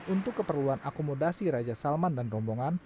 untuk keperluan akomodasi raja salman dan rombongan